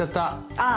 ああ。